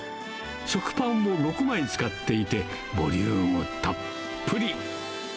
食パンを６枚使っていて、ボリュームもたっぷり。